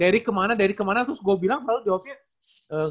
dery kemana dery kemana terus gue bilang selalu jawabnya